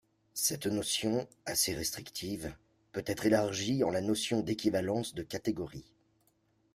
Cette notion, assez restrictive, peut être élargie en la notion d'équivalence de catégories.